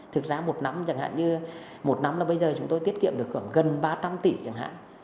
thực ra một năm chẳng hạn như một năm là bây giờ chúng tôi tiết kiệm được khoảng gần ba trăm linh tỷ chẳng hạn